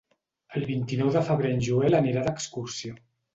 El vint-i-nou de febrer en Joel anirà d'excursió.